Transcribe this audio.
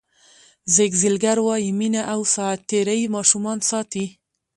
زیګ زیګلر وایي مینه او ساعتېرۍ ماشومان ساتي.